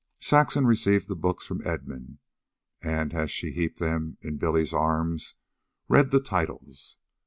Saxon received the books from Edmund, and, as she heaped them in Billy's arms, read the titles.